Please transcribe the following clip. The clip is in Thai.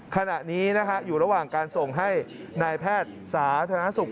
ขณะนี้อยู่ระหว่างการส่งให้นายแพทย์สาธารณสุข